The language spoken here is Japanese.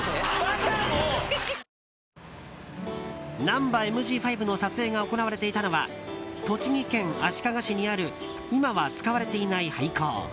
「ナンバＭＧ５」の撮影が行われていたのは栃木県足利市にある今は使われていない廃校。